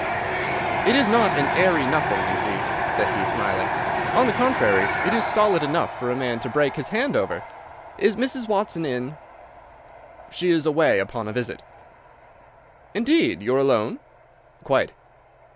"It is not an airy nothing, you see," said he, smiling. "On the contrary, it is solid enough for a man to break his hand over. Is Mrs. Watson in?" "She is away upon a visit." "Indeed! You are alone?" "Quite."